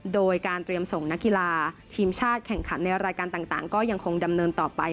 โดยการเตรียมส่งนักกีฬาทีมชาติแข่งขันในรายการต่างก็ยังคงดำเนินต่อไป